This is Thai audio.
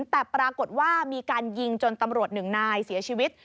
แต่ปรากฏว่ามีการยิงจนตำรวจหนึ่งนายเสียชีวิต